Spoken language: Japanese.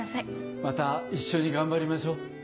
また一緒に頑張りましょう。